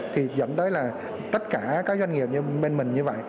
thì dẫn tới là tất cả các doanh nghiệp như bên mình như vậy